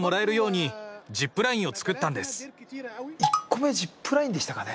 １個目ジップラインでしたかね？